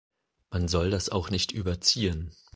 Man soll das auch nicht überziehen.